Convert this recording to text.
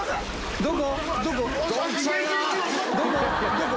どこ？